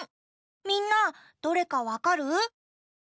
みんなどれかわかる？